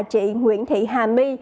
chị nguyễn thị hà my